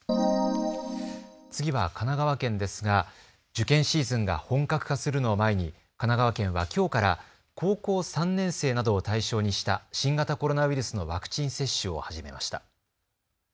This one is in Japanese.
次は神奈川県ですが受験シーズンが本格化するのを前に神奈川県はきょうから高校３年生などを対象にした新型コロナウイルスのワクチン接種を始めました。